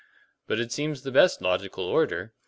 "But it seems the best logical order.